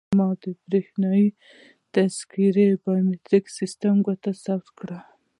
ما د بریښنایي تذکیرې بایومتریک سیستم ګوته ثبت کړه.